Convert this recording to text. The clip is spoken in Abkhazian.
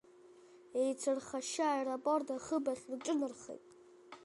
Еицырхашьшьы аеропорт ахыбрахь рҿынархеит.